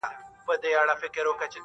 او قاضي ته یې د میني حال بیان کړ!